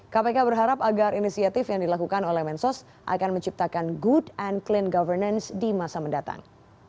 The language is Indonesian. kpk berharap agar inisiatif yang dilakukan oleh mensos akan menciptakan good and clean governance di masa mendatang